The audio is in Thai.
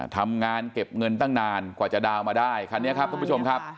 ทำงานเก็บเงินตั้งนานกว่าจะดาวน์มาได้คันนี้ครับทุกผู้ชมครับ